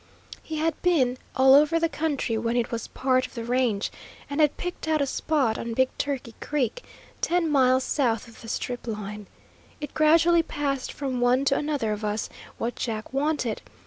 He had been all over the country when it was part of the range, and had picked out a spot on Big Turkey Creek, ten miles south of the Strip line. It gradually passed from one to another of us what Jack wanted.